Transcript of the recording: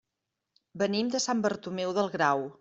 Venim de Sant Bartomeu del Grau.